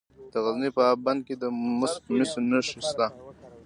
د غزني په اب بند کې د مسو نښې شته.